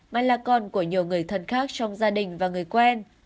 mà là con của nhiều người thân khác trong gia đình và người quen